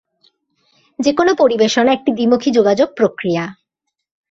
যেকোন পরিবেশনা একটি দ্বি-মুখী যোগাযোগ প্রক্রিয়া।